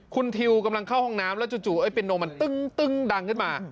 คุณทิวกำลังเข้าห้องน้ำแล้วจู่เป็นนมมันตึ้งดังขึ้นมา